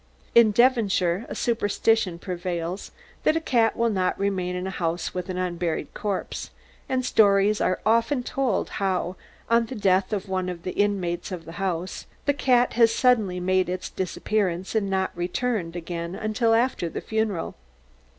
In Devonshire a superstition prevails that a cat will not remain in a house with an unburied corpse; and stories are often told how, on the death of one of the inmates of a house, the cat has suddenly made its disappearance, and not returned again until after the funeral.